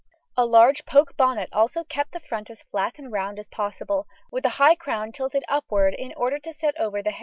The large poke bonnet also kept the front as flat and round as possible, with a high crown tilted upward in order to set over the hair loops.